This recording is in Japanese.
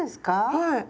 はい。